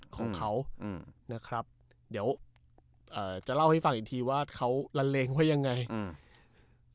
ของเขาอืมนะครับเดี๋ยวเอ่อจะเล่าให้ฟังอีกทีว่าเขาละเลงว่ายังไงอืม